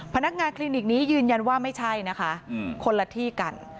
พนักงานคลินิกนี้ยืนยันว่าไม่ใช่นะคะคนละที่กัน